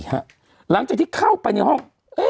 หลังจากที่เข้าไปในห้อง